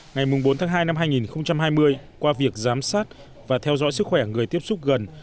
ngày bốn tháng hai năm hai nghìn hai mươi qua việc giám sát và theo dõi sức khỏe người tiếp xúc gần